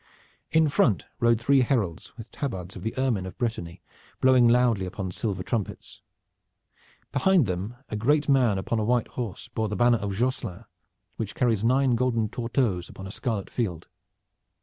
In front rode three heralds with tabards of the ermine of Brittany, blowing loudly upon silver trumpets. Behind them a great man upon a white horse bore the banner of Josselin which carries nine golden torteaus upon a scarlet field.